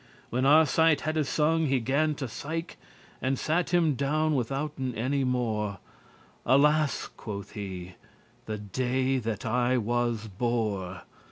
When Arcite had y sung, he gan to sike*, *sigh And sat him down withouten any more: "Alas!" quoth he, "the day that I was bore!